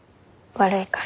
悪いから。